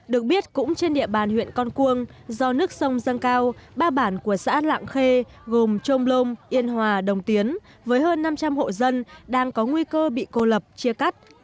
được biết cũng trên địa bàn huyện con cuông do nước sông dâng cao ba bản của xã lạng khê gồm trôm lôm yên hòa đồng tiến với hơn năm trăm linh hộ dân đang có nguy cơ bị cô lập chia cắt